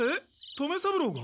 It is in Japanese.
留三郎が？